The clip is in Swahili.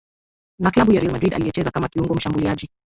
Na klabu ya Real Madrid aliyecheza kama kiungo mshambuliaji